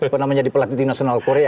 pernah menjadi pelatih di national korea